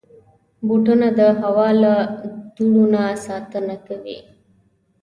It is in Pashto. بوټونه د هوا له دوړو نه ساتنه کوي.